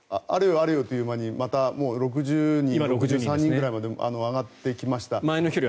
あれよという間にまた今、６０人くらいまで上がってきました。